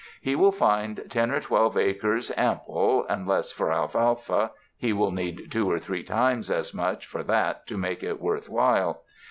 He will find ten or twelve acres ample, unless for alfalfa— he will need two or three times as much for that to make it worth while.